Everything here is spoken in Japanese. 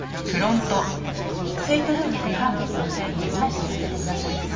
スイートルームのカーペットの繊維を採取させてください。